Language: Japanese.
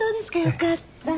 よかった。